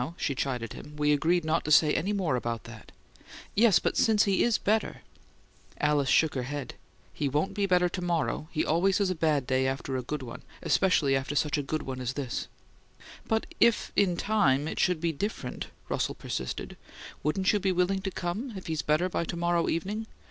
she chided him. "We agreed not to say any more about that." "Yes, but since he IS better " Alice shook her head. "He won't be better to morrow. He always has a bad day after a good one especially after such a good one as this is." "But if this time it should be different," Russell persisted; "wouldn't you be willing to come if he's better by to morrow evening?